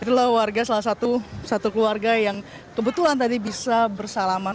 itulah warga salah satu keluarga yang kebetulan tadi bisa bersalaman